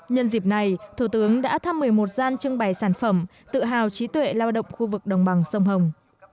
nhân dịp này thủ tướng đã thăm một mươi một gian trưng bày sản phẩm tự hào trí tuệ lao động khu vực đồng bằng sông hồng